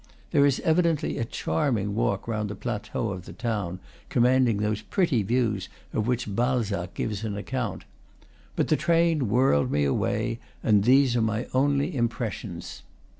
There is evidently a charming walk round the plateau of the town, commanding those pretty views of which Balzac gives an account. But the train whirled me away, and these are my only impressions.